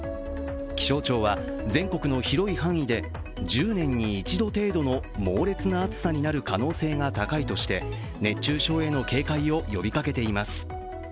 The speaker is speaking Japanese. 気象庁は、全国の広い範囲で１０年に一度程度の猛烈な暑さになる可能性が高いとして、熱中症への警戒を呼びかけています。